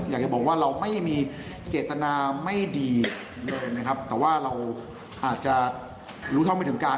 อยากจะบอกว่าเราไม่มีเจตนาไม่ดีเลยนะครับแต่ว่าเราอาจจะรู้เท่าไม่ถึงการ